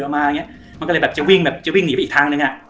มันก็จะวิ่งหนีไปอีกทางหนึ่ง